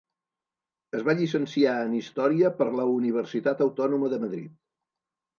Es va llicenciar en Història per la Universitat Autònoma de Madrid.